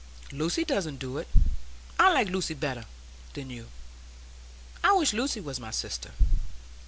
Lucy doesn't do so. I like Lucy better than you; I wish Lucy was my sister."